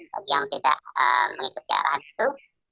bagi yang tidak mengikut ke arahan itu